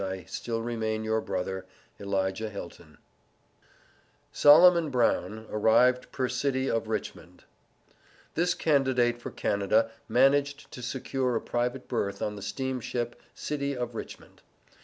I still remain your brother, ELIJAH HILTON. SOLOMON BROWN. ARRIVED PER CITY OF RICHMOND. This candidate for Canada managed to secure a private berth on the steamship City of Richmond.